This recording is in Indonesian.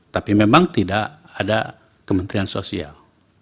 tapi memang tidak ada kementerian sosial